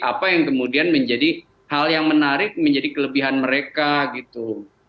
apa yang kemudian menjadi hal yang menarik menjadi kelebihan mereka gitu